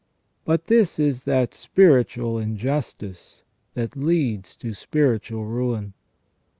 But this is that spiritual injustice that leads to spiritual ruin.